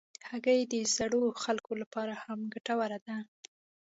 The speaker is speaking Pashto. هګۍ د زړو خلکو لپاره هم ګټوره ده.